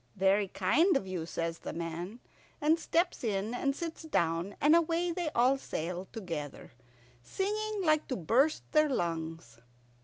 "Very kind of you," says the man, and steps in and sits down, and away they all sail together, singing like to burst their lungs.